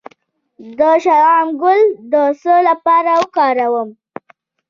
د شلغم ګل د څه لپاره وکاروم؟